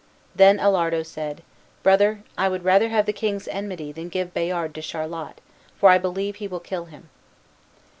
Then Alardo said, "Brother, I would rather have the king's enmity than give Bayard to Charlot, for I believe he will kill him."